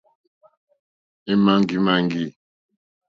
Èmàŋɡìmàŋɡì.